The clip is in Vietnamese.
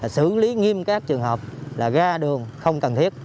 xử lý nghiêm các trường hợp là ra đường không cần thiết